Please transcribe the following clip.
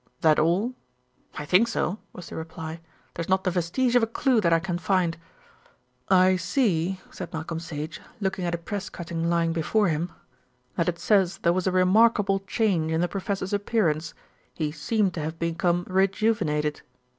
"That all?" "I think so," was the reply. "There's not the vestige of a clue that I can find." "I see," said Malcolm Sage, looking at a press cutting lying before him, "that it says there was a remarkable change in the professor's appearance. He seemed to have become rejuvenated."